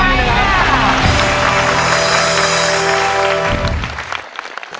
ไม่ใช่นะครับ